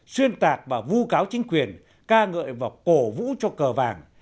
xuyên tạc và vu cáo chính quyền ca ngợi và cổ vũ cho cờ vàng